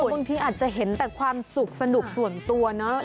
บางทีอาจจะเห็นแต่ความสุขสนุกส่วนตัวเนอะ